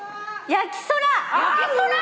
焼きそら！